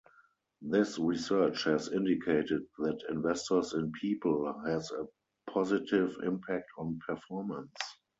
This research has indicated that Investors in People has a positive impact on performance.